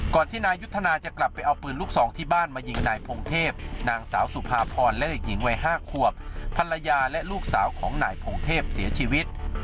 ที่นายยุทธนาจะกลับไปเอาปืนลูกซองที่บ้านมายิงนายพงเทพนางสาวสุภาพรและเด็กหญิงวัย๕ขวบภรรยาและลูกสาวของนายพงเทพเสียชีวิต